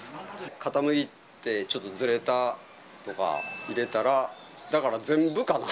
傾いてちょっとずれたとか入れたら、だから全部かな。